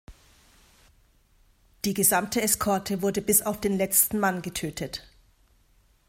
Die gesamte Eskorte wurde bis auf den letzten Mann getötet.